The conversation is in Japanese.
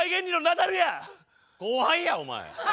後輩やお前。